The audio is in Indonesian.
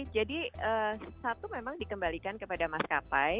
jadi satu memang dikembalikan kepada maskapai